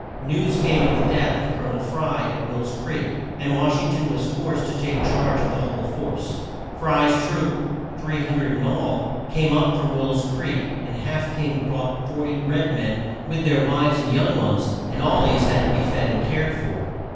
News came of the death of Col o nel Fry, at Will's creek, and Wash ing ton was forced to take charge of the whole force. Fry's troops 300 in all came up from Will's Creek, and Half King brought 40 red men with their wives and young ones and these all had to be fed and cared for.